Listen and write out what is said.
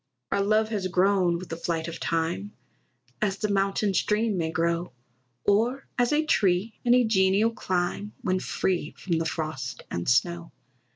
Our love has grown with the flight of time, As the mountain stream may grow; Or as a tree in a genial clime When free from the frost and snow.